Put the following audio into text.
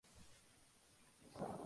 Poca agua en verano, seco en invierno.